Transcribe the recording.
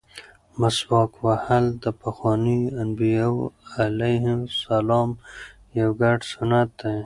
مسواک وهل د پخوانیو انبیاوو علیهم السلام یو ګډ سنت دی.